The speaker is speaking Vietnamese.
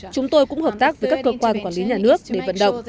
chúng tôi cũng hợp tác với các cơ quan quản lý nhà nước để vận động